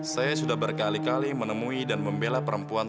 saya berkali kali sudah menemui pembela perempuan